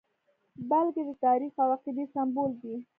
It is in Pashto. بلکې د تاریخ او عقیدې سمبول دی.